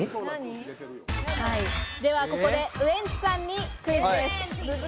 では、ここでウエンツさんにクイズです。